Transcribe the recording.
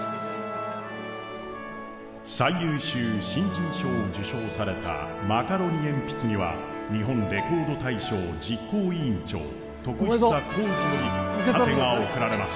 最優秀新人賞を受賞されたマカロニえんぴつには、日本レコード大賞実行委員長、徳久広司より盾が贈られます。